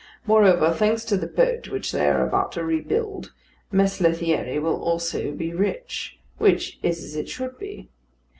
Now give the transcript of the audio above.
Moreover, thanks to the boat which they are about to rebuild, Mess Lethierry will also be rich; which is as it should be.